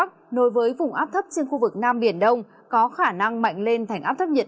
nơi phía bắc nối với vùng áp thấp trên khu vực nam biển đông có khả năng mạnh lên thành áp thấp nhiệt